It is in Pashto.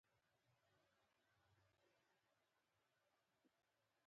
دوی پاکې اوبه خلکو ته ورکوي.